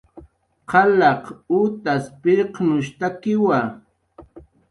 Qalaq utas pirqnushtakiwa